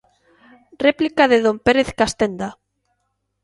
Réplica de don Pérez Castenda.